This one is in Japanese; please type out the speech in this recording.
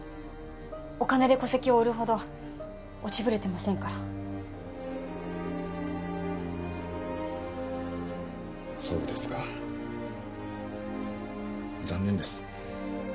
お金で戸籍を売るほど落ちぶれてませんからそうですか残念です